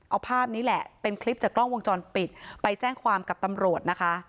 เอาภาพนี้แหละเป็นคลิปจากกล้องวงจรปิดไปแจ้งความกับตำรวจนะคะ